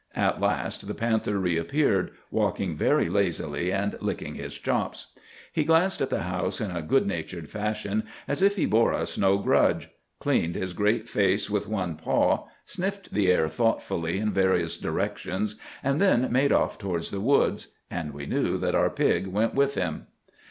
At last the panther reappeared, walking very lazily, and licking his chops. He glanced at the house in a good natured fashion, as if he bore us no grudge; cleaned his great face with one paw, sniffed the air thoughtfully in various directions, and then made off towards the woods; and we knew that our pig went with him.